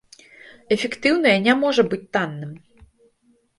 Эфектыўнае не можа быць танным.